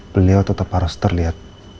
beliau tetap harus terlihat